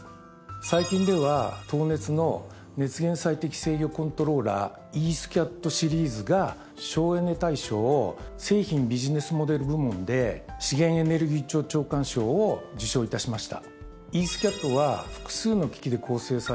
最近では東熱の熱源最適制御コントローラ「Ｅ−ＳＣＡＴ」シリーズが省エネ大賞製品・ビジネスモデル部門で資源エネルギー庁長官賞を受賞いたしました。